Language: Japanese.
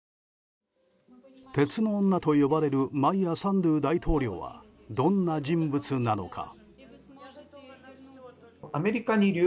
鉄の女と呼ばれるマイア・サンドゥ大統領はどんな人物なのか。